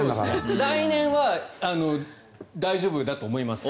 来年は大丈夫だと思います。